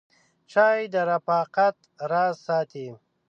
چای د رفاقت راز ساتي.